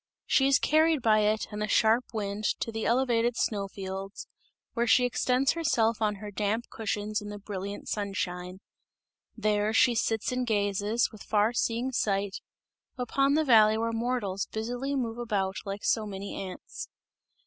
She is carried by it and the sharp wind to the elevated snow fields, where she extends herself on her damp cushions in the brilliant sunshine. There she sits and gazes, with far seeing sight, upon the valley where mortals busily move about like so many ants.